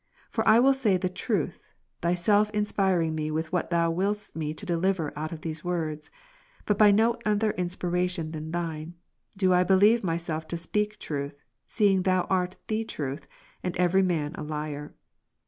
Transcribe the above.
For I will say the truth. Thyself inspiring me with what Thou willedst me to deliver out of those words. But by no other inspiration than Thine, do I believe myself to speak truth, seeing Thou art the Truth, and every man a Rom. 3, liar.